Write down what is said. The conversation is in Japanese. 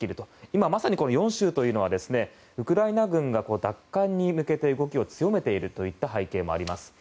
今まさにこの４州というのはウクライナ軍が奪還に向けて動きを強めているという背景もあります。